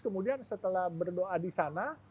kemudian setelah berdoa di sana